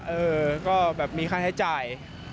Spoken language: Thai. เอ่อก็แบบมันมีค่าให้จ่าย